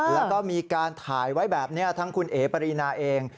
แล้วก็มีการถ่ายไว้แบบนี้ทั้งคุณเอ๋ปรีนาเอง